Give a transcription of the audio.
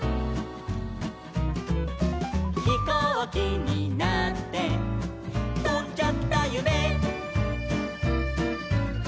「ひこうきになってとんじゃったゆめ」